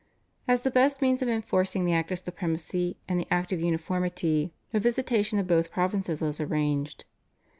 As the best means of enforcing the Act of Supremacy and the Act of Uniformity a visitation of both provinces was arranged.